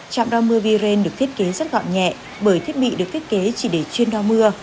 trạm đo mưa viren được thiết kế rất gọn nhẹ bởi thiết bị được thiết kế chỉ để chuyên đo mưa